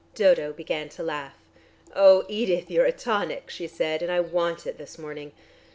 Dodo began to laugh. "Oh, Edith, you are a tonic," she said, "and I want it this morning.